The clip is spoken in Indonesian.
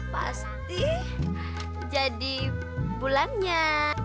pasti jadi bulannya